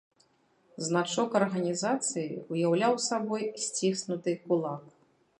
Значок арганізацыі уяўляў сабой сціснуты кулак.